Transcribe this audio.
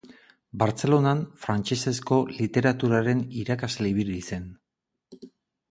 Bartzelonan frantsesezko literaturaren irakasle ibili zen.